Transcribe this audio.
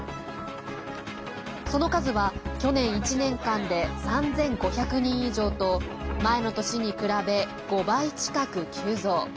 その数は去年１年間で３５００人以上と前の年に比べ、５倍近く急増。